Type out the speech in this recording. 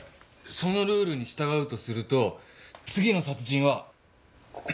そのルールに従うとすると次の殺人はここ。